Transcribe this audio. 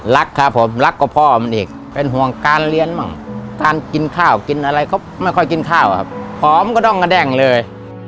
รักครับผมรักกว่าพ่อมันอีกเป็นห่วงการเรียนมั่งการกินข้าวกินอะไรก็ไม่ค่อยกินข้าวครับหอมก็ต้องกระเด้งเลย